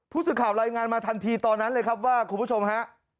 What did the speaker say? ผู้สื่อข่าวรายงานมาทันทีตอนนั้นเลยครับว่าคุณผู้ชมฮะ